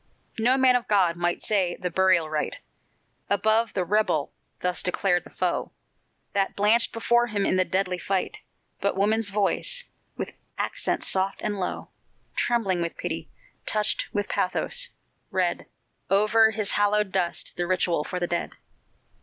No man of God might say the burial rite Above the "rebel" thus declared the foe That blanched before him in the deadly fight; But woman's voice, with accents soft and low, Trembling with pity touched with pathos read Over his hallowed dust the ritual for the dead.